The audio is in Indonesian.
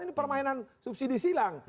ini permainan subsidi silang